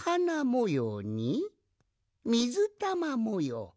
もようにみずたまもよう。